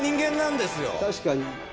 確かに。